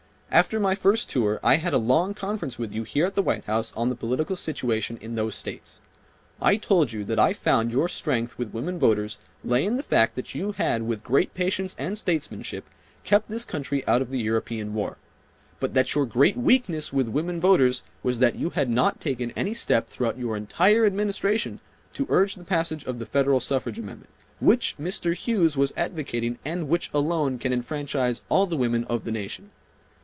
After my first tour I had a long conference with you here at the White House on the political situation in those states. I told you that I found your strength with women voters lay in the fact that you had with great patience and statesmanship kept this country out of the European war. But that your great weakness with women voters was that you had not taken any step throughout your entire Administration to urge the passage of the Federal Suffrage Amendment, which Mr. Hughes was advocating and which alone can enfranchise all the women of the nation.